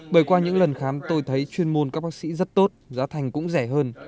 bởi qua những lần khám tôi thấy chuyên môn các bác sĩ rất tốt giá thành cũng rẻ hơn